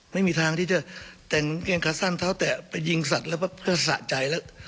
ไม่มีทางที่จะแต่งเกงขาสั้นเท้าแตะไปยิงสัตว์แล้วก็สะใจแล้ว